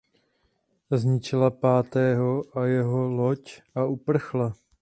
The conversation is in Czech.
Zničila Pátého a jeho loď a uprchla.